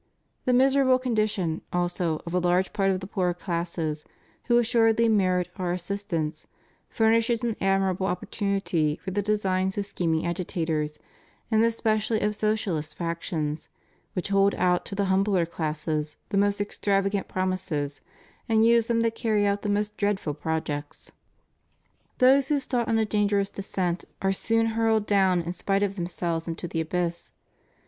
The miserable condition, also, of a large part of the poorer classes, who assuredly merit our assist ance, furnishes an admirable opportunity for the designs of scheming agitators, and especially of socialist factions, which hold out to the humbler classes the most extrava gant promises and use them to carry out the most dread ful projects. Those who start on a dangerous descent are soon hurled down in spite of themselves into the abyss.